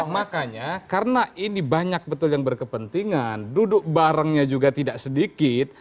makanya karena ini banyak betul yang berkepentingan duduk barengnya juga tidak sedikit